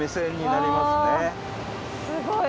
わすごい！